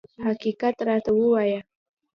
حقیقت راته ووایه.